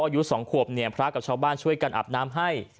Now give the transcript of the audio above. อายุ๒ขวบเนี่ยพระกับชาวบ้านช่วยกันอาบน้ำให้